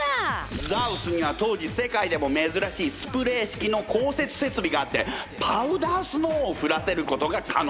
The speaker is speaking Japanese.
ＳＳＡＷＳには当時世界でもめずらしいスプレー式の降雪設備があってパウダースノーをふらせることが可能だった。